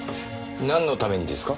なんのためにですか？